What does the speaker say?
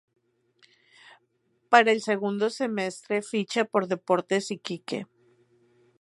Para el segundo semestre ficha por Deportes Iquique.